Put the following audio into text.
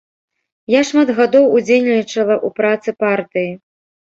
Я шмат гадоў удзельнічала ў працы партыі.